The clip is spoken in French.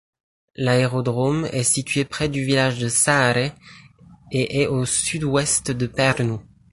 L'aérodrome est situé près du village de Sääre et est au sud-ouest de Pärnu.